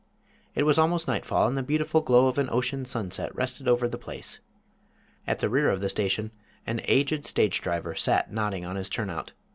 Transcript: It was almost nightfall, and the beautiful glow of an ocean sunset rested over the place. At the rear of the station an aged stage driver sat nodding on his turnout.